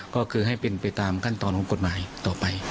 ก็คือให้เป็นไปตามขั้นตอนของกฎหมายต่อไป